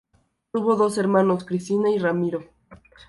Tuvo dos hermanos, Cristina y Ramiro.